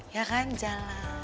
ya kan jalan